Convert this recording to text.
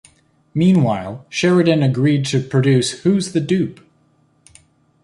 Meanwhile, Sheridan agreed to produce Who's the Dupe?